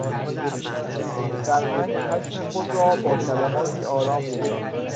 سرهنگ خشم خود را با کلماتی آرام پوشاند.